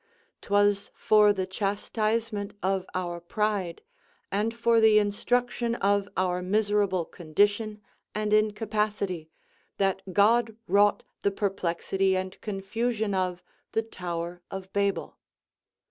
'Twas for the chastisement of our pride, and for the instruction of our miserable condition and incapacity, that God wrought the perplexity and confusion of the tower of Babel.